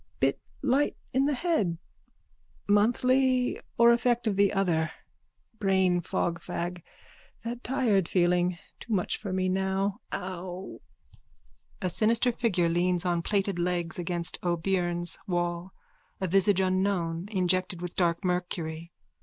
_ Bit light in the head. Monthly or effect of the other. Brainfogfag. That tired feeling. Too much for me now. Ow! _(A sinister figure leans on plaited legs against O'Beirne's wall, a visage unknown, injected with dark mercury.